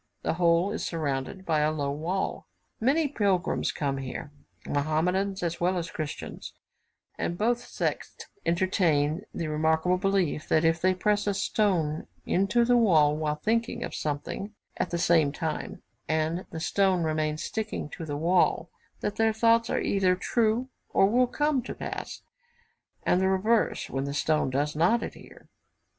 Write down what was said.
The whole is surrounded by a low wall. Many pilgrims come here, Mahomedans as well as Christians; and both sects entertain the remarkable belief, that if they press a stone into the wall while thinking of something at the same time, and the stone remains sticking to the wall, that their thoughts are either true or will come to pass, and the reverse when the stone does not adhere.